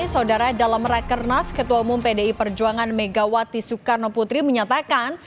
saudara dalam rakernas ketua umum pdi perjuangan megawati soekarno putri menyatakan